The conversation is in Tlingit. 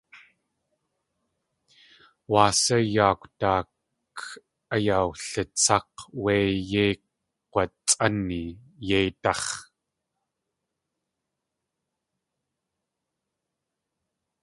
Wáa sá yaakw daak ayawlitsák̲ wé yéi kgwaatsʼáni yéidáx̲?